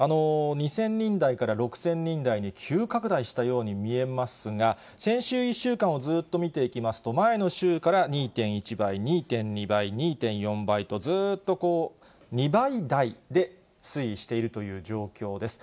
２０００人台から６０００人台に急拡大したように見えますが、先週１週間をずっと見ていきますと、前の週から２．１倍、２．２倍、２．４倍と、ずっと２倍台で推移しているという状況です。